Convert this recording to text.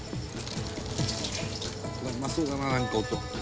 「うまそうだななんか音」